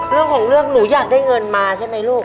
เรื่องของเรื่องหนูอยากได้เงินมาใช่ไหมลูก